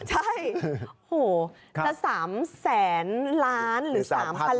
ใช่โหแต่สามแสนล้านหรือสามพันล้าน